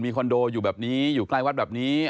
คอนโดอยู่แบบนี้อยู่ใกล้วัดแบบนี้